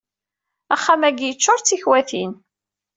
Axxam-agi yeččur d tikwatin.